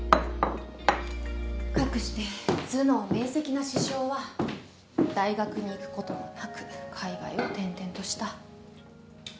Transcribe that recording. かくして頭脳明晰な獅子雄は大学に行くこともなく海外を転々とした。